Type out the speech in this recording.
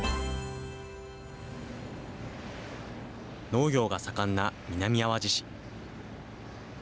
農業が盛んな南あわじ市。